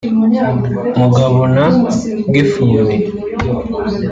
Mugabo na Gifuni